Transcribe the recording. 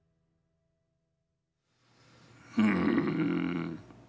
うん。